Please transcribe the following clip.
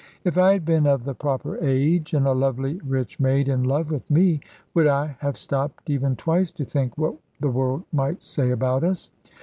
If I had been of the proper age, and a lovely rich maid in love with me, would I have stopped even twice to think what the world might say about us?